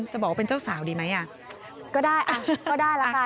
จะบอกว่าเป็นเจ้าสาวดีไหมอ่ะก็ได้อ่ะก็ได้ละกัน